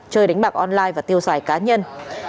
chơi đánh bạc online và tiêu giải cá nhân